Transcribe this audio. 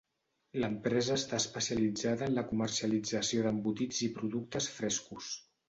L'empresa està especialitzada en la comercialització d'embotits i productes frescos.